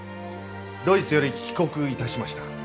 ドイツより帰国いたしました。